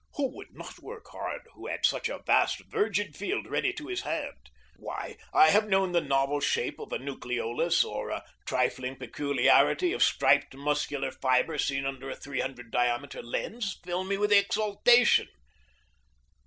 Who would not work hard who had a vast virgin field ready to his hand? Why, I have known the novel shape of a nucleolus, or a trifling peculiarity of striped muscular fibre seen under a 300 diameter lens, fill me with exultation.